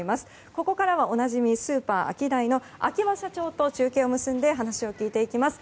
ここからはおなじみスーパーアキダイの秋葉社長と中継を結んでお話を聞いていきます。